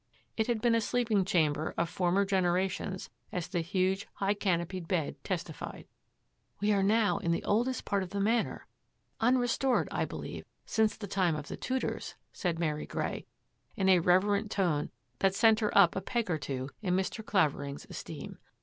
It had been a sleeping chamber of former genera tions as the huge, high canopied bed testified. " We are now in the oldest part of the Manor, unrestored, I believe, since the time of the Tudors,'* said Mary Grey, in a reverent tone that sent her up a peg or two in Mr. Clavering's esteem.